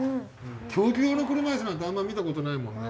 競技用の車いすなんてあんま見たことないもんね。